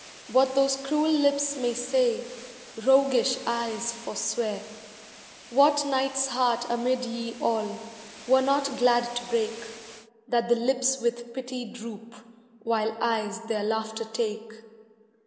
What those cruel lips may say, Roguish eyes forswear. What knight's heart amid ye all Were not glad to break, That the lips with pity droop. While eyes their laughter take